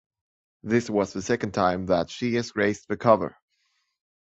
This was the second time that she has graced the cover.